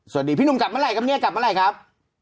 สวัสดีพี่นุ่มกลับเมื่อไหร่ครับอาจจะอีกสัก๒๓วันครับ